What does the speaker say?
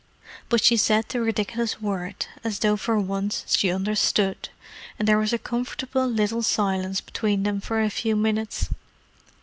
But she said the ridiculous word as though for once she understood, and there was a comfortable little silence between them for a few minutes.